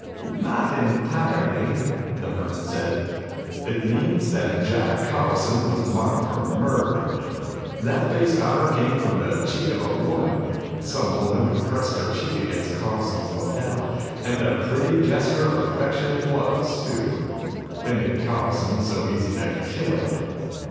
"Not entirely," the Hermit said. "It means that Jack Carlson was marked for murder. That face powder came from the cheek of a woman some woman who pressed her cheek against Carlson's lapel. And a pretty gesture of affection it was, too. It made Carlson so easy to kill!